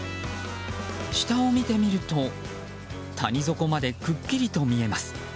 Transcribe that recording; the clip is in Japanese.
下を見てみると谷底までくっきりと見えます。